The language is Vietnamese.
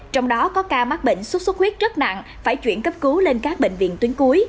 trong đó có ca mắc bệnh sốt xuất huyết rất nặng phải chuyển cấp cứu lên các bệnh viện tuyến cuối